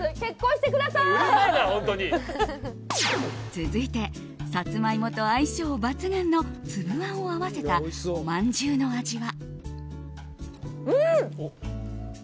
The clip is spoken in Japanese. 続いてサツマイモと相性抜群の粒あんを合わせたおまんじゅうの味は。